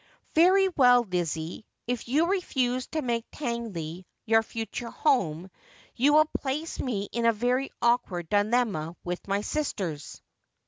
' Very well, Lizzie, if you refuse to make Tangley your future home you will place me in a very awkward dilemma with my sisters.'